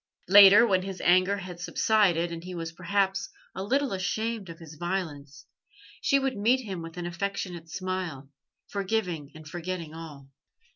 Later, when his anger had subsided, and he was perhaps a little ashamed of his violence, she would meet him with an affectionate smile, forgiving and forgetting all.